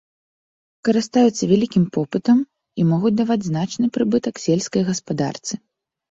Карыстаюцца вялікім попытам і могуць даваць значны прыбытак сельскай гаспадарцы.